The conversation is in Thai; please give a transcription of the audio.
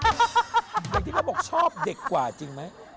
อย่างที่เขาบอกชอบเด็กกว่าจริงไหม